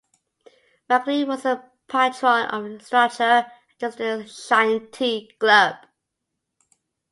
Maclean was a patron of Strachur and District Shinty Club.